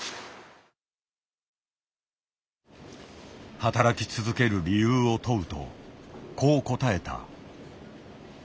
働き続ける理由を問うとこう答えた。